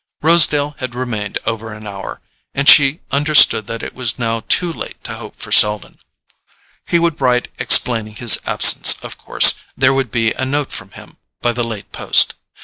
Rosedale had remained over an hour, and she understood that it was now too late to hope for Selden. He would write explaining his absence, of course; there would be a note from him by the late post.